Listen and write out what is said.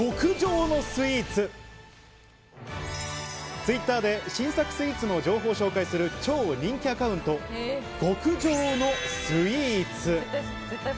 Ｔｗｉｔｔｅｒで新作スイーツの情報を紹介する超人気アカウント、極上のスイーツ。